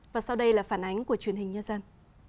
và sau đây là phản ánh của truyền hình nhân dân